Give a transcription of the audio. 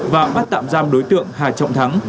và bắt tạm giam đối tượng hà trọng thắng